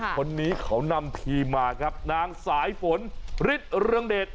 คนนี้เขานำทีมมาครับนางสายฝนฤทธิ์เรืองเดช